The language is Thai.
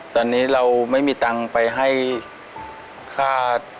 ตอนนี้เราไม่มีตังค์ไปให้ค่า